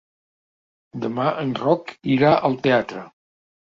Demà en Roc irà al teatre.